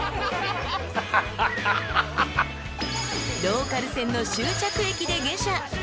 ［ローカル線の終着駅で下車］